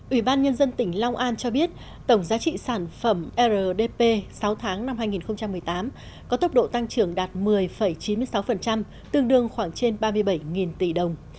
ủy ban nhân dân tỉnh long an cho biết tổng giá trị sản phẩm rdp sáu tháng năm hai nghìn một mươi tám có tốc độ tăng trưởng đạt một mươi chín mươi sáu tương đương khoảng trên ba mươi bảy tỷ đồng